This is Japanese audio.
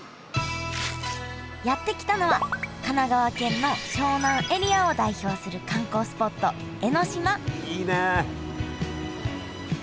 やって来たのは神奈川県の湘南エリアを代表する観光スポット江の島いいね。